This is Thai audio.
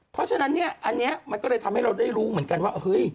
เพราะฉะนั้นเนี่ยอันนี้มันก็เลยทำให้เราได้รู้เหมือนกันว่าเฮ้ย